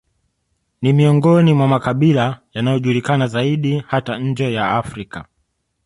Ni miongoni mwa makabila yanayojulikana zaidi hata nje ya Afrika